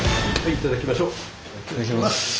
いただきます。